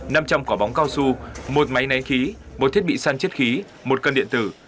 nằm trong cỏ bóng cao su một máy nén khí một thiết bị săn chết khí một cân điện tử